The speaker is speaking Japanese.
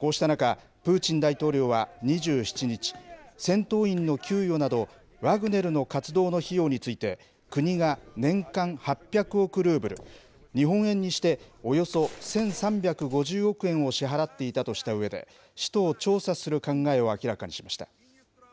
こうした中、プーチン大統領は２７日、戦闘員の給与など、ワグネルの活動の費用について、国が年間８００億ルーブル、日本円にしておよそ１３５０億円を支払っていたとしたうえで、使途を調査する考えを明らかにしました。